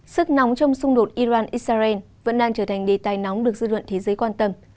sức nóng trong xung đột iran israel vẫn đang trở thành đề tài nóng được dư luận thế giới quan tâm